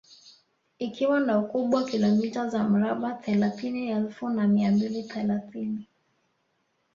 Ikiwa na ukubwa kilomita za mraba thelathini elfu na mia mbili thelathini